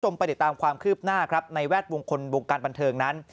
ไปติดตามความคืบหน้าครับในแวดวงคนวงการบันเทิงนั้น